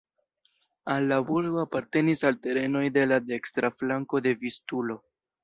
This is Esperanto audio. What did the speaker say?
Al la burgo apartenis la terenoj de la dekstra flanko de Vistulo.